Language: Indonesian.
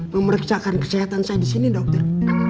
memeriksakan kesehatan saya disini dokter